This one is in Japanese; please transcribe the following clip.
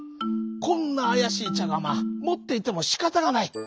こんなあやしいちゃがまもっていてもしかたがない。